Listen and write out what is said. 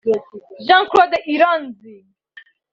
Jean-Claude Iranzi